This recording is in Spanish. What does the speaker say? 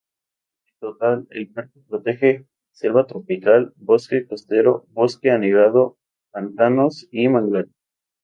En total, el parque protege selva tropical, bosque costero, bosque anegado, pantanos y manglares.